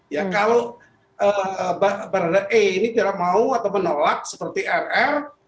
ya kalau barada e ini tidak mau atau menolak seperti rr